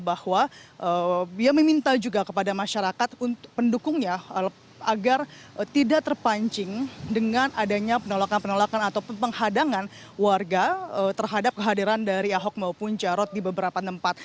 bahwa dia meminta juga kepada masyarakat pendukungnya agar tidak terpancing dengan adanya penolakan penolakan ataupun penghadangan warga terhadap kehadiran dari ahok maupun jarot di beberapa tempat